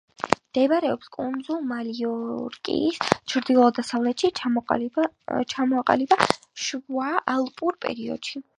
მდებარეობს კუნძულ მალიორკის ჩრდილო-დასავლეთით, ჩამოყალიბდა შუა ალპურ პერიოდში.